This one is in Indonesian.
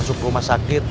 masuk rumah sakit